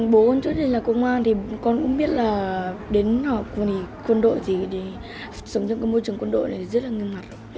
bố con trước đây là công an thì con cũng biết là đến học quân đội thì sống trong môi trường quân đội này rất là nghiêm mặt